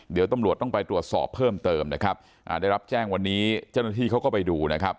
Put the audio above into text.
เดี๋ยวตำรวจต้องไปตรวจสอบเพิ่มเติมนะครับอ่าได้รับแจ้งวันนี้เจ้าหน้าที่เขาก็ไปดูนะครับ